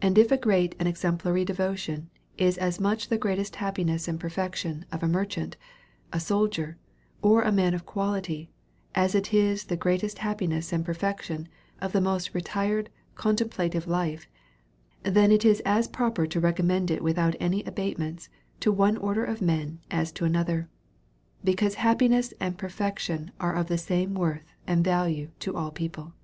And if a great and exemplary devotion is as much the greatest happiness and perfection of a merchant, a soldier, or a man of quality, as it is the greatest hap piness and perfection of the most retired contempla tive life, then it is as proper to recommend it without any abatements to one order of men as to another. Because happiness and perfection are of tlie same worth and value to all people.